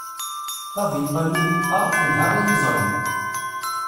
Tavitamint A telha i yiẓri.